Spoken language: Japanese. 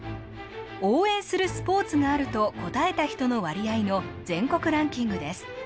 応援するスポーツがあると答えた人の割合の全国ランキングです。